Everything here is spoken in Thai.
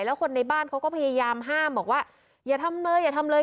แล้วคนในบ้านเขาก็พยายามห้ามบอกว่าอย่าทำเลยอย่าทำเลย